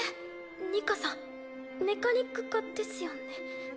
ニカさんメカニック科ですよね？